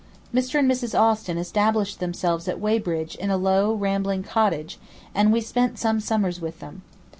Mr. and Mrs. Austin established themselves at Weybridge in a low, rambling cottage, and we spent some summers with them.